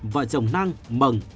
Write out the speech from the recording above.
vợ chồng năng mừng